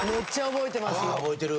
覚えてる？